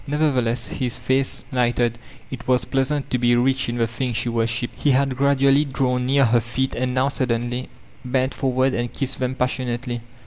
Nevertheless his face lighted, it was pleasant to be rich in the thing she wor shiped He had gradually drawn near her feet and now suddenly bent forward and kissed them passionatdy.